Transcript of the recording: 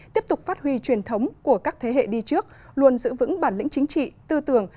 tiếp tục phát huy truyền thống của các thế hệ đi trước luôn giữ vững bản lĩnh chính trị tư tưởng